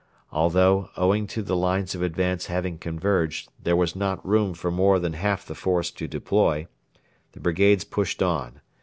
Although, owing to the lines of advance having converged, there was not room for more than half the force to deploy, the brigades pushed on.